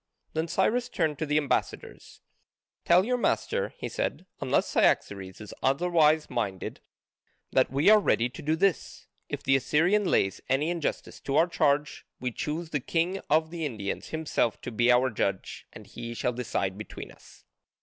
Then Cyrus turned to the ambassadors: "Tell your master," he said, "unless Cyaxares is otherwise minded, that we are ready to do this: if the Assyrian lays any injustice to our charge we choose the king of the Indians himself to be our judge, and he shall decide between us."